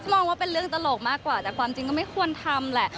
มองว่าเป็นเรื่องตลกมากกว่าแต่ความจริงก็ไม่ควรทำแหละ